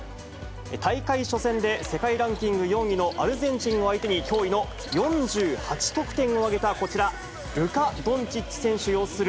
大会初戦で世界ランキング４位のアルゼンチンを相手に驚異の４８得点を挙げたこちら、ルカ・ドンチッチ選手擁する